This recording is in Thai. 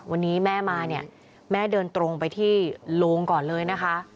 วันนี้แม่มาเนี่ยแม่เดินตรงไปที่โรงก่อนเลยนะคะ